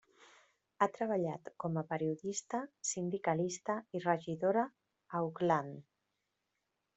Ha treballat com a periodista, sindicalista i regidora a Auckland.